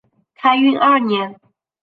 开运二年。